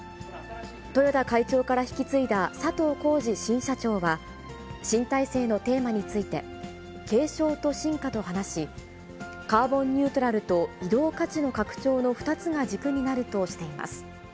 豊田会長から引き継いだ佐藤恒治新社長は、新体制のテーマについて、継承と進化と話し、カーボンニュートラルと移動価値の拡張の２つが軸になるとしています。